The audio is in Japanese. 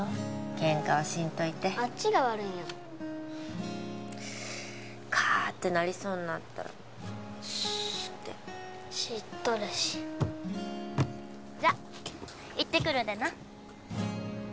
ケンカはしんといてあっちが悪いんやもんカーッてなりそうになったらスーッて知っとるしじゃ行ってくるでな